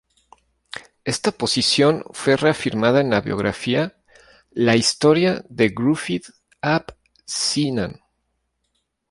Esta posición fue reafirmada en la biografía "La Historia de Gruffydd ap Cynan.